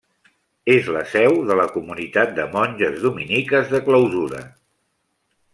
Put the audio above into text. És la seu de la Comunitat de Monges Dominiques de clausura.